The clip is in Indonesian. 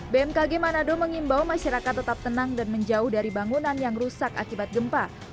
bmkg manado mengimbau masyarakat tetap tenang dan menjauh dari bangunan yang rusak akibat gempa